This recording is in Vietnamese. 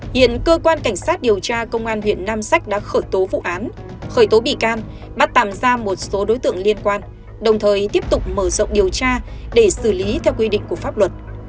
hiện cơ quan cảnh sát điều tra công an huyện nam sách đã khởi tố vụ án khởi tố bị can bắt tạm ra một số đối tượng liên quan đồng thời tiếp tục mở rộng điều tra để xử lý theo quy định của pháp luật